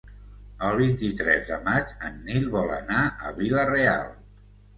El vint-i-tres de maig en Nil vol anar a Vila-real.